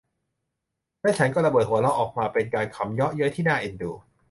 และฉันก็ระเบิดหัวเราะออกมา เป็นการขำเยาะเย้ยที่น่าเอ็นดู